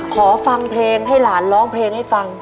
ขอฟังเพลงให้หลานร้องเพลงให้ฟัง